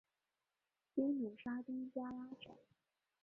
西努沙登加拉省。